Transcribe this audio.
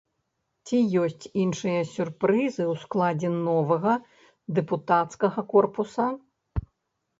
Ці ёсць іншыя сюрпрызы ў складзе новага дэпутацкага корпуса?